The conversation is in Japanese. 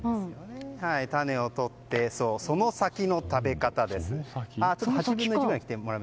種をとってその先の食べ方です。